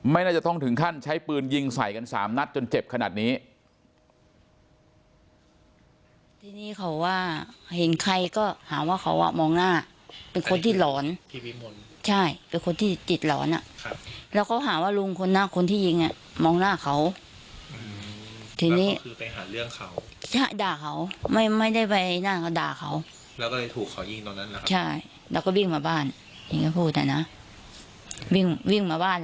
น่าจะต้องถึงขั้นใช้ปืนยิงใส่กัน๓นัดจนเจ็บขนาดนี้